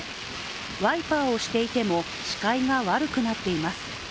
ワイパーをしていても視界が悪くなっています。